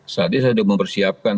saat ini saya sudah mempersiapkan